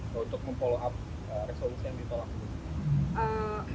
untuk memfollow up resolusi yang ditolak